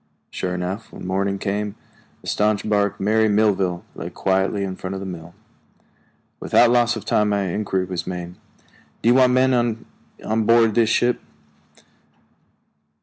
Sure enough, when morning came, the staunch bark Mary Melville lay quietly in front of the mill. Without loss of time my inquiry was made: "Do you want any men on board this ship?"